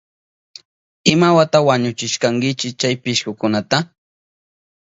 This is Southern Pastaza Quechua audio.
¿Imawata wañuchishkankichi chay pishkukunata?